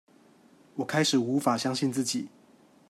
我開始無法相信自己